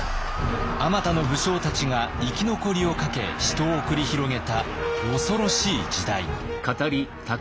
あまたの武将たちが生き残りをかけ死闘を繰り広げた恐ろしい時代。